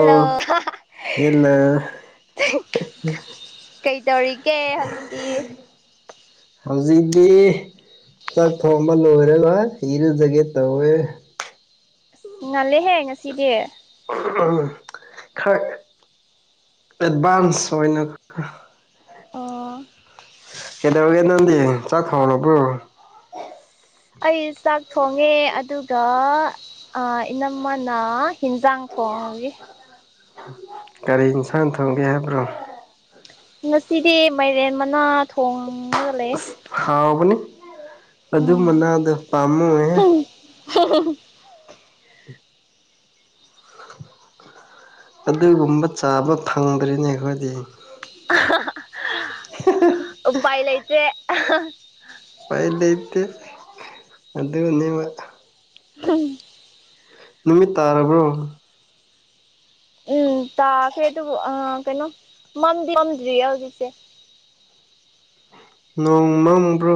ꯑꯣ ꯍꯦꯟꯅ ꯀꯩ ꯇꯧꯔꯤꯒꯦ ꯍꯧꯖꯤꯛꯀꯤ ꯍꯧꯖꯤꯛꯤ ꯆꯥꯛ ꯊꯣꯡꯕ ꯂꯣꯏꯔꯦ ꯑꯗꯨ ꯋꯥ ꯏꯔꯖꯒꯦ ꯇꯋꯦ ꯉꯜꯂꯦꯍꯦ ꯉꯁꯤꯗꯤ ꯎꯝ ꯈꯔ ꯑꯦꯗꯚꯥꯟꯁ ꯑꯣꯏꯅ ꯑꯣ ꯀꯩꯗꯧꯒꯦ ꯅꯗꯤ ꯆꯠꯥꯛ ꯈꯥꯎꯅꯕ ꯄ꯭ꯔꯣ ꯑꯩ ꯆꯥꯛ ꯊꯣꯡꯉꯦ ꯑꯗꯨꯒ ꯑ ꯏ ꯅꯃꯅ ꯍꯤꯟꯖꯥꯡ ꯐꯣꯡꯒꯤ ꯒꯥꯔꯤ ꯏꯟꯁꯥꯡ ꯊꯣꯡꯒꯦ ꯍꯥꯏꯕ꯭ꯔꯣ? ꯉꯁꯤꯗꯤ ꯃꯥꯏꯔꯦꯟ ꯃꯅꯥ ꯊꯣꯡꯉꯒ ꯂꯩ꯫ ꯑꯁ ꯍꯥꯎꯕꯅꯤ ꯑꯗꯨ ꯃꯅꯥꯗꯣ ꯄꯥꯝꯃꯨꯦꯍꯦ꯫ ꯍ [unintelligible] ꯑꯗꯨꯒꯨꯝꯕ ꯆꯥꯕ ꯐꯪꯗ꯭ꯔꯤꯅꯦ ꯑꯩꯈꯣꯏꯗꯤ꯫ ꯎꯄꯥꯏ ꯂꯩꯇꯦ꯫ ꯐꯥꯏꯂꯇ ꯑꯗꯨꯗ ꯅꯕ꯫ ꯎꯝ ꯅꯨꯃꯤꯠ ꯇꯥꯔꯕ꯭ꯔꯣ? ꯎꯝ ꯇ ꯐꯦ ꯑ ꯀꯩꯅꯣ ꯃꯝ ꯃꯝꯗ꯭ꯔꯤ ꯍꯧꯖꯤꯛꯁꯦ꯫ ꯅꯣꯡꯃꯕ꯭ꯔꯣ?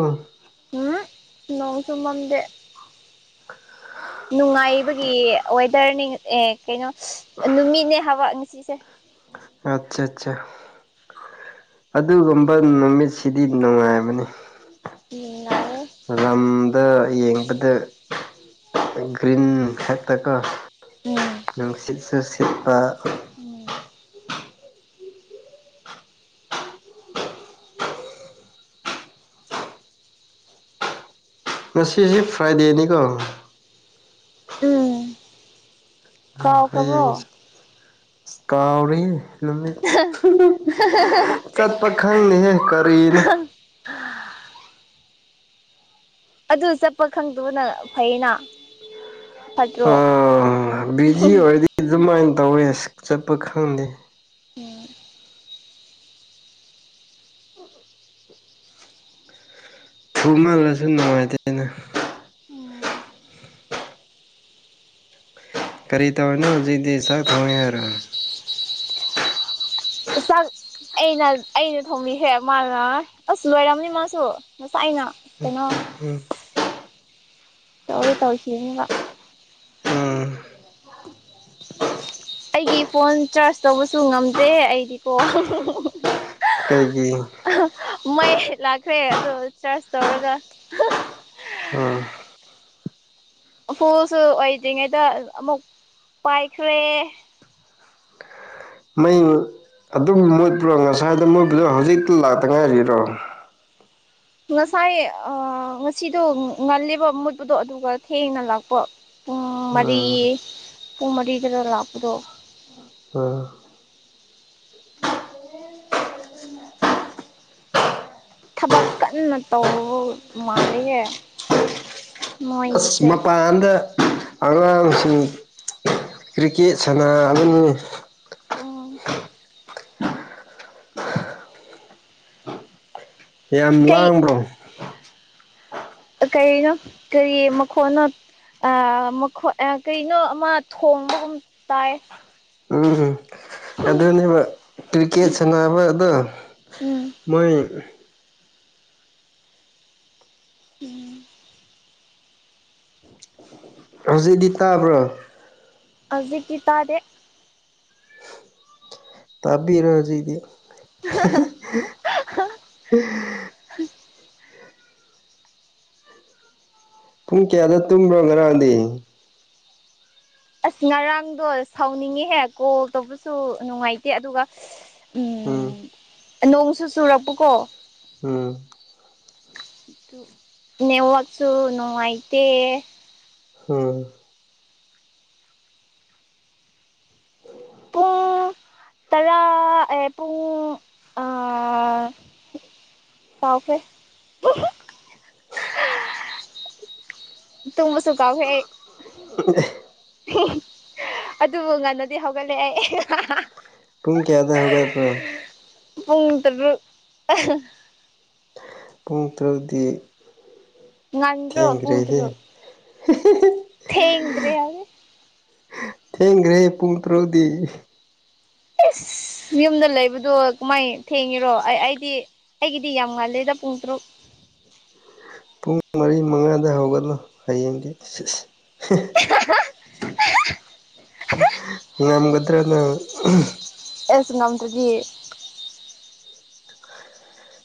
ꯎꯝ ꯅꯣꯡꯁꯨ ꯃꯗꯦ꯫ ꯅꯨꯡꯉꯥꯏꯕꯒꯤ ꯋꯦꯗꯔꯅꯤ ꯑꯦ ꯀꯩꯅꯣ ꯅꯨꯃꯤꯠꯅꯦ ꯍꯥꯕ ꯉꯁꯤꯁꯦ꯫ ꯑꯆꯥ ꯑꯆꯥ ꯑꯗꯨꯒꯨꯝꯕ ꯅꯨꯃꯤꯠꯁꯤꯗꯤ ꯅꯨꯡꯉꯥꯏꯕꯅꯤ꯫ ꯅꯨꯉꯥꯌꯦ ꯫ ꯂꯝꯝꯗ ꯌꯦꯡꯕꯗ ꯒ꯭ꯔꯤꯟ ꯍꯦꯛꯇꯒ ꯎꯝ ꯅꯨꯡ ꯁꯤꯠꯁꯨ ꯁꯤꯠꯄ ꯎꯝ ꯉꯁꯤꯁꯤ ꯐ꯭ꯔꯥꯏꯗꯦꯅꯤꯀꯣ꯫ ꯎꯝ ꯀꯥꯎꯈ꯭ꯔꯕꯣ ꯍꯌꯦꯡꯁꯦ ꯀꯥꯎꯔꯤꯍꯦ ꯅꯨ ꯆꯠꯄ ꯈꯪꯅꯤꯍꯦ ꯀꯔꯤꯅꯣ? ꯑꯗꯨ ꯆꯠꯄ ꯈꯪꯗꯕꯅ ꯐꯩꯅ ꯐꯠꯇ꯭ꯔꯣ ꯕꯤꯖꯤ ꯑꯣꯏꯔꯗꯤ ꯑꯗꯨꯃꯥꯏꯅ ꯇꯧꯋꯦ ꯑꯁ ꯆꯠꯄ ꯈꯪꯗꯦ ꯎꯝ ꯊꯨ ꯃꯥꯜꯂꯁꯨ ꯅꯨꯡꯉꯥꯏꯇꯦ ꯑꯩꯅ ꯎꯝ ꯀꯔꯤ ꯇꯧꯋꯅꯣ ꯍꯧꯖꯤꯛꯛꯇꯗꯤ ꯆꯥꯛ ꯊꯪꯉꯦ ꯍꯥꯏꯔꯣ? [unintelligible] ꯑꯩꯅ ꯑꯩꯅ ꯊꯧꯃꯤꯈꯦ ꯃꯥꯅ ꯑꯁ ꯂꯣꯏꯔꯝꯅꯤ ꯃꯥꯁꯨ ꯉꯁꯥꯏꯅ ꯎꯝ ꯀꯩꯅꯣ ꯎꯝ ꯇꯧꯔꯤ ꯇꯧꯈꯤꯅꯤꯡꯕ꯫ ꯎꯝ ꯑꯩꯒꯤ ꯐꯣꯟ ꯆꯥꯔꯖ ꯇꯧꯕꯁꯨ ꯉꯝꯗ꯭ꯔꯦ ꯑꯩꯗꯤꯀꯣ꯫ ꯀꯩꯒꯤ ꯃꯣꯏ ꯂꯥꯛꯈ꯭ꯔꯦ ꯑꯗꯣ ꯆꯥꯔꯖ ꯇꯧꯔꯒ ꯑꯥ ꯎꯐꯨꯁꯨ ꯑꯣꯏꯗ꯭ꯔꯤꯉꯩꯗ ꯑꯃꯨꯛ ꯄꯥꯏꯈ꯭ꯔꯦ ꯃꯩ ꯑꯗꯨꯝ ꯃꯣꯠꯄ꯭ꯔꯣ ꯉꯁꯥꯏꯗ ꯃꯨꯠꯕꯗꯣ ꯍꯧꯖꯤꯛꯇ ꯂꯥꯛꯇ ꯉꯥꯏꯔꯤꯔꯣ? ꯉꯁꯥꯏ ꯉꯁꯤꯗꯣ ꯉꯜꯂꯤꯕ ꯃꯨꯠꯄꯗꯣ ꯑꯗꯨꯒ ꯊꯦꯡꯅ ꯂꯥꯛꯄ ꯄꯨꯡ ꯃꯔꯤ ꯎꯝ ꯄꯨꯡ ꯃꯔꯤ ꯈꯔ ꯂꯥꯛꯄꯗꯣ ꯑꯥ ꯊꯕꯛ ꯀꯟꯅ ꯇꯧꯕ ꯃꯥꯜꯂꯤꯌꯦ꯫ ꯑꯁ ꯃꯄꯥꯟꯗ ꯑꯉꯥꯡꯁꯤꯡ ꯀ꯭ꯔꯤꯀꯦꯠ ꯁꯥꯟꯅꯒꯅꯤ ꯑꯣ ꯌꯥꯝ ꯂꯥꯡꯕ꯭ꯔꯣ? ꯀꯩꯅꯣ ꯀꯔꯤ ꯃꯈꯣꯟꯅꯣ? ꯃꯈꯣꯏ ꯀꯩꯅꯣ ꯑꯃ ꯊꯣꯡꯕꯒꯨꯝ ꯇꯥꯏ ꯎꯝ ꯑꯗꯨꯅꯦꯕ ꯀ꯭ꯔꯤꯀꯦꯠ ꯁꯥꯟꯅꯕ ꯑꯗꯣ ꯎꯝ ꯃꯣꯏ ꯎꯝ ꯍꯧꯖꯤꯛꯗꯤ ꯇꯥꯕ꯭ꯔꯣ ꯍꯧꯖꯤꯛꯇꯤ ꯇꯥꯗꯦ ꯇꯥꯕꯤꯔꯦ ꯍꯧꯖꯤꯛꯇꯤ [unintelligible] ꯄꯨꯡ ꯀꯌꯥꯗ ꯇꯨꯝꯕ꯭ꯔꯣ ꯉꯔꯥꯡꯗꯤ ꯑꯁ ꯉꯔꯥꯡꯗꯣ ꯁꯥꯎꯅꯤꯡꯉꯤꯍꯦꯛ ꯀꯣꯜ ꯇꯧꯕꯁꯨ ꯅꯨꯡꯉꯥꯏꯇꯦ ꯑꯗꯨꯒ ꯎꯝ ꯅꯣꯡꯁꯨ ꯆꯨꯔꯛꯄꯀꯣ ꯎꯝ ꯅꯦꯋꯥꯛꯁꯨ ꯅꯨꯡꯉꯥꯏꯇꯦ ꯎꯝ ꯍꯥ ꯇꯔꯥ ꯄꯨꯡꯨ ꯀꯥꯎꯈ꯭ꯔꯦ ꯇꯨꯡꯕꯁꯨ ꯀꯥꯎꯈꯔꯦ ꯑꯩ [unintelligible] ꯑꯗꯨꯕꯨ ꯉꯟꯅꯗꯤ ꯍꯧꯒꯠꯂꯦ ꯇꯨꯡ ꯀꯌꯥꯗ ꯍꯧꯒꯠꯄꯔꯣ ꯄꯨꯡ ꯇꯔꯨꯛ ꯄꯨꯡ ꯇꯔꯨꯛꯗꯤ ꯉꯟꯗ꯭ꯔꯣ ꯄꯨꯨꯡ ꯇꯔꯨꯛꯗꯣ ꯊꯦꯡꯗ꯭ꯔꯦ ꯍꯥꯏꯌꯣ ꯊꯦꯡꯈ꯭ꯔꯦ ꯄꯨꯡ ꯇꯔꯨꯛꯗꯤ ꯏꯁ ꯌꯨꯝꯗ ꯂꯩꯕꯗꯣ ꯀꯃꯥꯏꯅ ꯊꯦꯡꯉꯤꯔꯣ ꯑꯩ ꯑꯩꯗꯤ ꯑꯩꯒꯤꯗꯤ ꯌꯥꯝ ꯉꯜꯂꯦꯗ ꯄꯨꯡ ꯇꯔꯨꯛ ꯄꯨꯡ ꯃꯔꯤ ꯃꯉꯥꯗ ꯍꯧꯒꯠꯂꯣ ꯍꯌꯦꯡꯗꯤ ꯉꯝꯒꯗ꯭ꯔꯥ ꯅꯪ ꯑꯦꯁ ꯉꯝꯗꯨꯗꯤ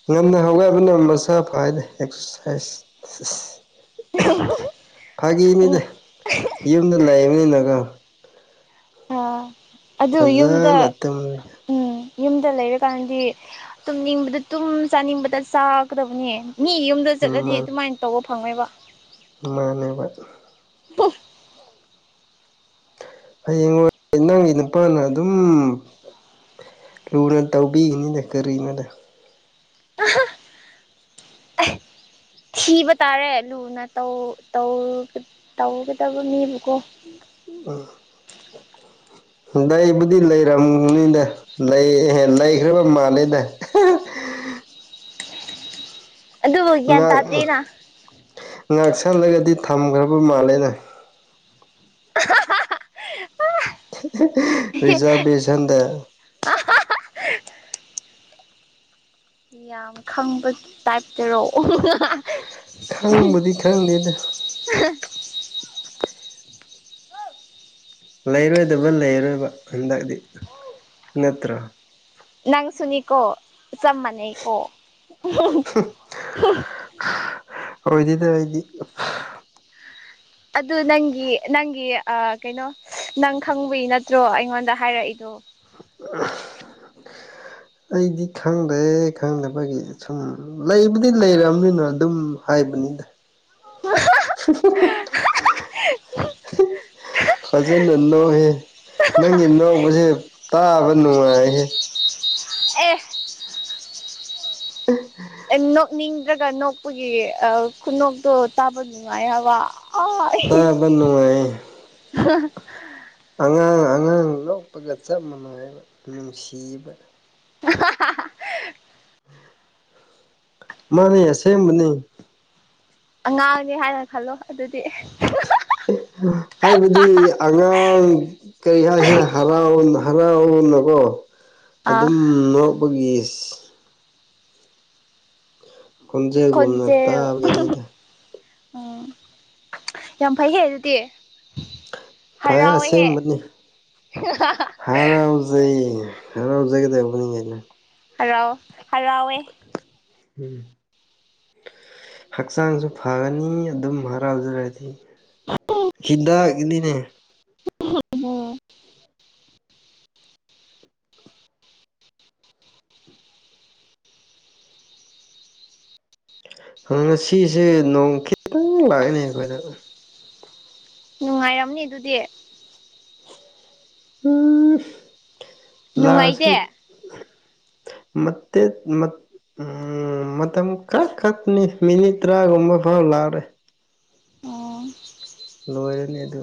ꯉꯟꯅ ꯍꯧꯒꯥꯏꯕꯅ ꯃꯁꯥ ꯐꯅ ꯑꯦꯛꯁꯔꯁꯥꯏꯁ ꯑ [inaudible] ꯐꯥꯒꯤꯅꯤꯗ ꯌꯨꯝꯗ ꯂꯩꯕꯅꯤꯅꯀ ꯑꯥ ꯑꯗꯨ ꯌꯨꯝꯗ ꯐꯖꯅ ꯇꯨꯝꯃꯤ ꯎꯝ ꯌꯨꯝꯗ ꯂꯩꯔꯀꯥꯟꯗꯤ ꯇꯨꯝꯅꯤꯡꯕꯗ ꯇꯨꯝ ꯆꯥꯅꯤꯡꯕꯗ ꯆꯥꯒꯗꯕꯅꯦ ꯃꯤ ꯌꯨꯝꯗ ꯑꯗꯨꯗ ꯆꯠꯂꯗꯤ ꯑꯗꯨꯃꯥꯏꯅ ꯇꯧꯕ ꯐꯪꯉꯣꯏꯕ ꯃꯥꯅꯦꯕ [unintelligible] ꯍꯌꯦꯡꯋꯥꯏ ꯅꯪꯒꯤ ꯅꯨꯄꯥꯅ ꯑꯗꯨꯝ ꯂꯨꯅ ꯇꯧꯕꯤꯒꯅꯤꯗ ꯀꯔꯤꯅꯣꯗ ꯊꯤꯕ ꯇꯥꯔꯦ ꯂꯨꯅ ꯇꯧꯒꯗꯕ ꯃꯤꯕꯨꯀꯣ [unintelligible] ꯂꯩꯕꯨꯗꯤ ꯂꯩꯔꯝꯅꯤꯗ ꯂꯩ ꯂꯩꯈ꯭ꯔꯕ ꯃꯥꯜꯂꯦꯗ ꯑꯗꯨꯕꯨ ꯒ꯭ꯌꯥꯟ ꯉꯥꯛ ꯇꯥꯗ꯭ꯔꯤꯅ ꯉꯥꯛ ꯁꯜꯂꯒꯗꯤ ꯊꯝꯈ꯭ꯔꯕ ꯃꯥꯜꯂꯦꯅ ꯔꯤꯖꯥꯔꯔꯕꯦꯁꯟꯗ [unintelligible] ꯌꯥꯝ ꯈꯪꯕ ꯇꯥꯏꯞ ꯇꯥꯔꯣ ꯈꯪꯕꯗꯤ ꯈꯪꯗꯦ ꯑꯗꯨ [unintelligible] ꯂꯩꯔꯣꯏꯗꯕ ꯂꯩꯔꯣꯏꯕ ꯍꯟꯗꯛꯇꯤ ꯅꯠꯇ꯭ꯔꯣ ꯅꯪꯁꯨꯅꯤꯀꯣ ꯆꯝ ꯃꯅꯦꯀꯣ ꯍꯣꯏꯗꯤꯗ ꯑꯩꯗꯤ ꯑꯗꯨ ꯅꯪꯒꯤ ꯅꯪꯒꯤ ꯀꯩꯅꯣ ꯅꯪ ꯈꯪꯕꯏ ꯅꯠꯇ꯭ꯔꯣ ꯑꯩꯉꯣꯟꯗ ꯍꯥꯏꯔꯛꯏꯗꯣ [unintelligible] ꯑꯩꯗꯤ ꯈꯪꯗꯦ ꯈꯪꯗꯕꯒꯤ ꯁꯨꯝ ꯂꯩꯕꯨꯗꯤ ꯂꯩꯔꯝꯅꯤꯅ ꯑꯗꯨꯝ ꯍꯥꯏꯕꯅꯤꯗ [unintelligible] ꯐꯖꯅ ꯅꯣꯛꯑꯦꯏꯦ ꯅꯪꯒꯤ ꯅꫭꯛꯄꯁꯦ ꯇꯥꯕ ꯅꯨꯡꯉꯥꯏꯍꯦ ꯑꯦ ꯅꯣꯛꯅꯤꯡꯗ꯭ꯔꯒ ꯅꯣꯛꯄꯒꯤ ꯈꯨꯅꯣꯛꯇꯣ ꯇꯥꯕ ꯅꯨꯡꯉꯥꯏ ꯍꯥꯏꯕ ꯑꯥ ꯇꯥꯕ ꯅꯨꯉꯥꯏꯑꯦ ꯑꯉꯥꯡ ꯑꯉꯥꯡ ꯅꫭꯛꯄꯒ ꯆꯞ ꯃꯥꯅꯏꯑꯦꯕ ꯅꯨꯡꯁꯤꯑꯦꯕ ꯃꯥꯅꯦ ꯑꯁꯦꯡꯕꯅꯤ ꯑꯉꯥꯡꯅꯤ ꯍꯥꯏꯅ ꯈꯜꯂꯣ ꯑꯗꯨꯗꯤ ꯍꯥꯏꯕꯗꯤ ꯑꯉꯥꯡ ꯀꯔꯤ ꯍꯥꯏꯁꯤꯔꯥ ꯍꯔꯥꯕꯥꯠ ꯑꫭꯟꯕ ꯍꯔꯥꯕꯥꯠ ꯑꫭꯟꯕꯒꯀꫭ ꯑꯥ ꯑꯗꯨꯝ ꯅꫭꯛꯄꯥꯒꯤ ꯈꯣꯟꯖꯦꯜꯒꯨꯝꯅ ꯈꯣꯟꯖꯦꯜ ꯇꯥꯕꯒꯤꯅꯤꯗ ꯎꯝ ꯌꯥꯝ ꯐꯩꯍꯦ ꯑꯗꯨꯗꯤ ꯐꯌꯦ ꯍꯔꯥꯎꯋꯦꯍꯦ ꯑꯁꯦꯡꯕꯅꯤ ꯍꯟꯅꯥ ꯖꯩꯏ ꯍꯔꯥꯎꯖꯒꯗꯨꯕꯅꯤꯅꯦ ꯍꯔꯥꯎ ꯍꯔꯥꯎꯋꯦ ꯎꯝ ꯍꯛꯆꯥꯡꯁꯨ ꯐꯒꯅꯤ ꯑꯗꯨꯝ ꯍꯔꯥꯎꯖꯔꯗꯤ ꯍꯤꯗꯥꯛꯒꯤꯅꯤꯅꯦ [unintelligible] ꯉꯁꯤꯁꯦ ꯅꯣꯡ ꯈꯤꯇꯪ ꯂꯥꯛꯏꯅꯦ ꯑꯩꯈꯣꯏꯗ ꯅꯨꯡꯉꯥꯏꯔꯝꯅꯤ ꯑꯗꯨꯗꯤ ꯎꯝ ꯂꯥꯛ ꯑꯥ ꯁꯨ ꯅꯨꯡꯉꯥꯏꯇꯦ [inaudible] ꯃꯥꯠꯇꯦ ꯃꯥꯠ ꯎꯝ ꯃꯇꯝ ꯈꯔ ꯈꯛꯇꯅꯤ ꯃꯤꯅꯤꯠ ꯇꯔꯥꯒꯨꯝꯕ ꯐꯥꯎ ꯂꯥꯎ ꯑꯔꫭꯏ ꯑꯣ ꯂꯣꯏꯔꯅꯤ ꯑꯗꯨ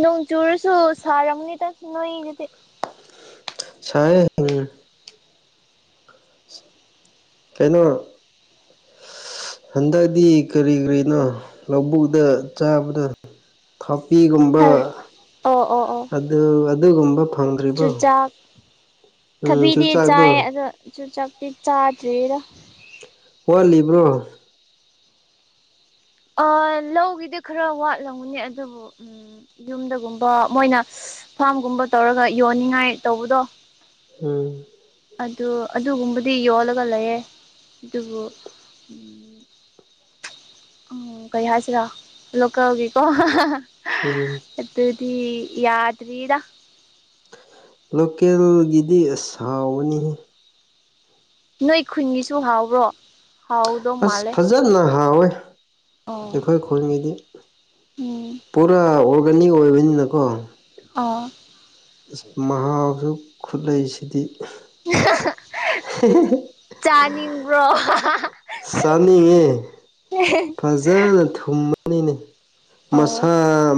ꯅꫭꯡ ꯆꯨꯔꯁꯨꯨ ꯁꯔꯝꯅꯤꯗꯥ ꯅꯣꯏ ꯑꯨꯗꯤ ꯁꯥꯏꯌꯦ ꯎꯝ ꯀꯩꯅꯣ ꯍꯟꯗꯛꯇꯤ ꯀꯔꯤ ꯀꯔꯤꯅꯣ ꯂꯧꯕꯨꯛꯇ ꯆꯥꯕꯗꫭ ꯊꯥꯄꯤꯒꯨꯝꯕ ꯑꯣ ꯑꯗꯨ ꯑꯗꯨꯒꯨꯝꯕ ꯐꯪꯗ꯭ꯔꯤꯕꯣ ꯆꯨꯆꯥꯛ ꯎꯝ ꯊꯕꯤꯗꯤ ꯆꯥꯏ ꯆꯨꯖꯥꯛꯗꯣ ꯑꯗꯣ ꯆꯨꯆꯥꯛꯇꯤ ꯆꯥꯗꯔ ꯋꯥꯠꯂꯤꯕ꯭ꯔꯣ ꯑ ꯂꯧꯒꯤꯗꯤ ꯈꯔ ꯋꯥꯠꯂꯝꯒꯥꯅꯤ ꯑꯗꯨꯕꯨ ꯎꯝ ꯌꯨꯝꯗꯒꯨꯝꯕ ꯃꯣꯏꯅ ꯐꯥꯝꯒꯨꯝꯕ ꯇꯧꯔꯒ ꯌꯣꯟꯅꯤꯡꯉꯥꯏ ꯇꯧꯕꯗꯣ ꯎꯝ ꯑꯗꯨ ꯑꯗꯨꯒꯨꯝꯕꯗꯤ ꯌꯣꯜꯂꯒ ꯂꯩꯌꯦ ꯑꯗꯨꯕꯨ ꯎꯝ ꯀꯩ ꯍꯥꯏꯁꯤꯔꯥ ꯂꯣꯀꯦꯜꯒꯤꯀꯣ ꯎꯝ ꯑꯗꯨꯗꯤ ꯌꯥꯗꯔꯤꯗꯥ ꯂꯣꯀꯦꯜꯒꯤꯗꯤ ꯑꯁ ꯍꯥꯎꯕꯅꯤꯍꯦ ꯅꯣꯏ ꯈꯨꯟꯒꯤꯁꯨ ꯍꯔꯥꯎꯕ꯭ꯔꯣ ꯑꯁ ꯐꯖꯅ ꯍꯥꯎꯋꯦ ꯑꯣ ꯑꯩꯈꯣꯏ ꯈꯨꯜꯒꯤꯗꯤ ꯎꯝ ꯄꯨꯔꯥ ꯑꯣꯔꯒꯥꯅꯤꯛ ꯑꯣꯏꯕꯅꯤꯅꯀꯣ ꯑꯥ ꯑꯁ ꯃꯍꯥꯎꯁꯨ ꯈꯨꯠꯂꯩꯁꯤꯗꯤ ꯑ ꯆꯥꯅꯤꯡꯕ꯭ꯔꯣ ꯆꯥꯅꯤꯡꯉꯦ ꯐꯖꯅ ꯊꯨꯝꯃꯅꯤꯅꯦ ꯑꯣ ꯃꯁꯥ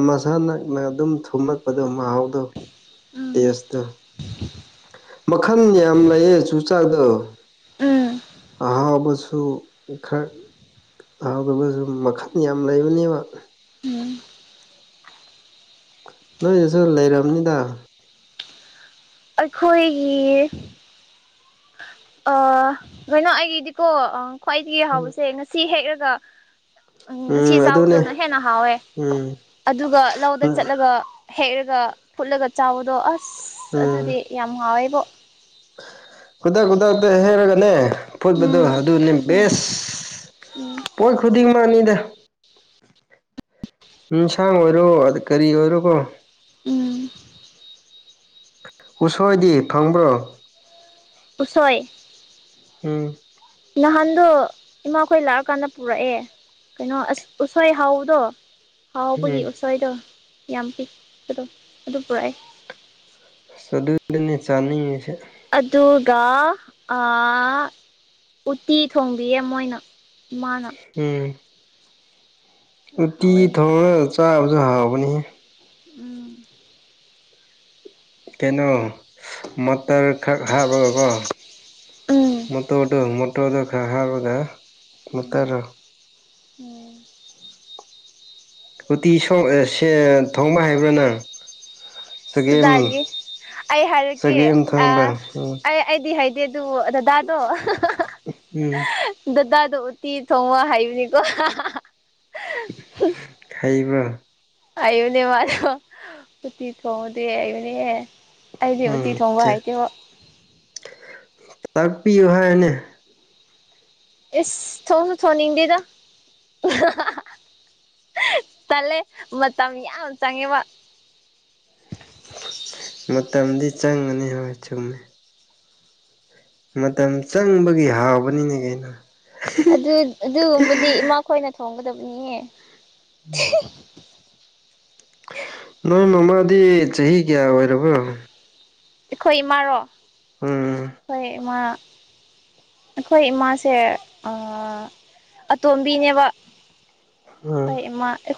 ꯃꯁꯥ ꯃꯥ ꯅꯛꯅ ꯑꯗꯨꯝ ꯊꯨꯝꯂꯛꯄꯗꯣ ꯃꯍꯥꯎꯗꯣ ꯇꯁꯇ ꯎꯝ ꯃꯈꯜ ꯌꯥꯝ ꯂꯩꯑ ꯆꯨ ꯆꯥꯛꯗꯣ ꯎꯝ ꯑꯍꯥꯎꯕꯁꯨ ꯈꯔ ꯑꯍꯥꯎꯗꯕꯁꯨ ꯃꯈꯟ ꯌꯥꯝ ꯂꯩꯕꯅꯦꯕ ꯎꯝ ꯅꯣꯏꯁꯤꯁꯨ ꯂꯩꯔꯕꯅꯤꯗ ꯑꯩꯈꯣꯏꯒꯤ ꯑ ꯅ ꯑꯩꯒꯤ ꯏꯗꯤꯀꯣ ꯈ꯭ꯋꯥꯏꯗꯒꯤ ꯎꯝ ꯍꯥꯎꯕꯁꯦ ꯉꯁꯤ ꯍꯦꯛꯂꯒ ꯎꯝ ꯑꯁꯤ ꯆꯥꯎꯕꯗꯅ ꯍꯦꯟꯅ ꯍꯥꯎꯋꯦ ꯎꯝ ꯑꯗꯨꯒ ꯂꯧꯗ ꯆꯠꯂꯒ ꯍꯦꯛꯔꯒ ꯐꯨꯠꯂꯒ ꯆ ꯆꯥꯎꯕꯗꯣ ꯑꯁ ꯎꯝ ꯑꯗꯨꯗꯤ ꯌꯥꯝ ꯉꯥꯎꯋꯦꯕꯣ ꯈꯨꯗꯛ ꯈꯨꯗꯛꯇ ꯍꯦꯛꯔꯒꯅꯦ ꯐꯨꯠꯕꯗꯣ ꯎꯝ ꯑꯗꯨꯅꯦ ꯎꯝ ꯕꯦꯁ ꯎꯝ ꯍꯣꯏꯈ ꯈꯨꯗꯤ ꯅꯤꯗ ꯅꯨꯡꯁꯥꯡ ꯑꯣꯏꯔꯣ ꯑꯗ ꯀꯔꯤ ꯑꯣꯏꯔꯣꯀꯣ ꯎꯝ ꯎꯁꯣꯏꯗꯤ ꯐꯪꯕ꯭ꯔꯣ ꯁꯣꯏ ꯎꯝ ꯅꯍꯥꯟꯗꯣ ꯏꯃꯥꯈꯣꯏ ꯂꯥꯛꯑꯀꯥꯟꯗ ꯄꯨꯔꯛꯑꯦ ꯀꯩꯅꯣ ꯑꯁ ꯎꯁꯣꯏ ꯍꯥꯎꯗꯣ ꯍꯥꯎꯕꯒꯤ ꯎꯝ ꯎꯁꯣꯏꯗꯣ ꯌꯥꯝ ꯄꯤ ꯑꯗꯣ ꯑꯗꯨ ꯄꯨꯔꯛꯑ ꯁ ꯑꯗꯨꯗꯅꯤ ꯆꯥꯅꯤꯡꯉꯤꯁꯦ ꯑꯗꯨꯒ ꯑ ꯎꯠꯇꯤ ꯊꯣꯡꯕꯤꯌꯦ ꯃꯣꯏꯅ ꯃꯥꯅ ꯎꯝ ꯇꯤ ꯍꯥꯎꯋꯦ ꯊꯣꯡꯔ ꯆꯥꯕꯁꯨ ꯍꯥꯎꯅꯤ ꯎꯝ ꯀꯩꯅꯣ ꯃꯇꯔ ꯈꯛ ꯍꯥꯞꯄꯒꯀꯣ ꯎꯝ ꯃꯣꯠꯇ ꯑꯣꯗ ꯃꯣꯠꯇ ꯑꯣꯗ ꯈ ꯍꯥꯏꯗ ꯎꯝ ꯎꯝ ꯎꯇꯤ ꯊꯣꯡꯕ ꯍꯥꯏꯕ꯭ꯔꯥ ꯅꯪ ꯁꯒꯦꯝ ꯀꯗꯥꯏꯗꯒꯤ ꯑꯩ ꯍꯥꯏꯔꯛꯀꯦ ꯁꯒꯦꯝ ꯊꯪꯕ ꯑꯥ ꯎ ꯑꯩ ꯑꯩꯗꯤ ꯍꯥꯏꯗꯦ ꯑꯗꯨ ꯗꯗꯥꯗꯣ ꯎꯝ ꯗꯗꯥꯗꯣ ꯎꯇꯤ ꯊꯣꯡꯋꯥ ꯍꯥꯏꯕꯅꯤꯀꯣ ꯍꯩꯕ꯭ꯔꯥ ꯑꯌꯨꯅꯦ ꯃꯥꯅ ꯄꯨꯇꯤ ꯊꯣꯡꯉꯗꯦ ꯑꯌꯨꯅꯦ ꯎꯝꯦ ꯇꯥꯛꯄꯤꯌꯨ ꯍꯥꯏꯅꯦ ꯏꯁ ꯊꯣꯡꯅ ꯊꯣꯡꯅꯤꯡꯗꯦꯗ ꯇꯂꯦ ꯃꯇꯝ ꯌꯥꯝ ꯆꯪꯉꯦꯕ ꯃꯇꯝꯗꯤ ꯆꯪꯒꯅꯤ ꯍꯣꯏ ꯆꯨꯝꯃꯦ ꯃꯇꯝ ꯆꯪꯕꯒꯤ ꯍꯥꯎꯕꯅꯤꯅꯦ ꯀꯩꯅꯣ ꯑꯗꯨ ꯑꯗꯨꯒꯨꯝꯕꯗꯤ ꯏꯃꯥꯈꯣꯏꯅ ꯊꯣꯡꯒꯗꯕꯅꯤ ꯅꯪ ꯅꯃꯥꯗꯤ ꯆꯍꯤ ꯀꯌꯥ ꯑꯣꯏꯔꯕꯣ ꯑꯩꯈꯣꯏ ꯏꯃꯥꯔꯣ ꯎꯝ ꯑꯩꯈꯣꯏ ꯏꯃꯥ ꯑꯩꯈꯣꯏ ꯏꯃꯥꯁꯦ ꯑꯇꯣꯝꯕꯤꯅꯦꯕ ꯎꯝ ꯑꯩꯈꯣꯏ ꯑꯥ